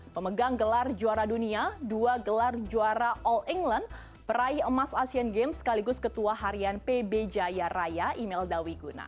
pemegang gelar juara dunia dua gelar juara all england peraih emas asian games sekaligus ketua harian pb jaya raya imelda wiguna